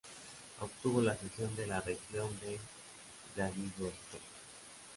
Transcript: Obtuvo la cesión de la región de Vladivostok.